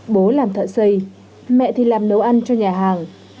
bố làm thợ xây mẹ thì làm nấu ăn cho nhà hàng